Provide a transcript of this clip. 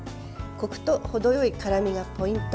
コクと程よい辛みがポイント。